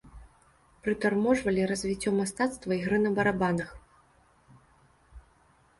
Прытарможвалі развіццё мастацтва ігры на барабанах.